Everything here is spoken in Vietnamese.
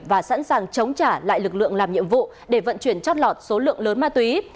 và sẵn sàng chống trả lại lực lượng làm nhiệm vụ để vận chuyển chót lọt số lượng lớn ma túy